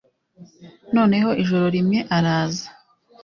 noneho ijoro rimwe araza